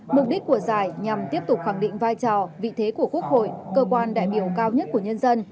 mục đích của giải nhằm tiếp tục khẳng định vai trò vị thế của quốc hội cơ quan đại biểu cao nhất của nhân dân